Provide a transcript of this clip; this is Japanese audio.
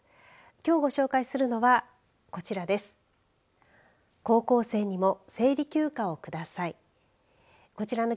今日ご紹介するのはこちらです。